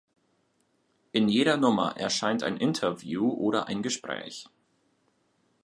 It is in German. In jeder Nummer erscheint ein Interview oder ein Gespräch.